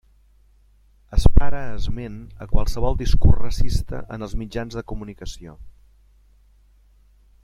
Es para esment a qualsevol discurs racista en els mitjans de comunicació.